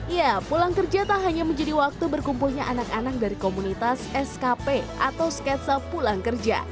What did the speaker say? ya pulang kerja tak hanya menjadi waktu berkumpulnya anak anak dari komunitas skp atau sketsa pulang kerja